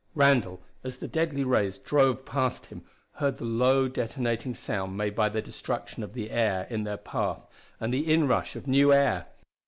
Randall, as the deadly rays drove past him, heard the low detonating sound made by their destruction of the air in their path, and the inrush of new air.